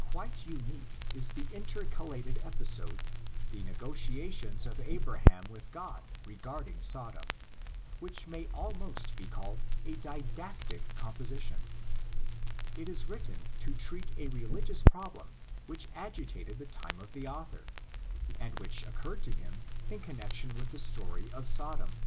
Quite unique is the intercalated episode, the negotiations of Abraham with God regarding Sodom, which may almost be called a didactic com position. It is written to treat a religious problem which agitated the time of the author, and which occurred to him in connexion with the story of Sodom.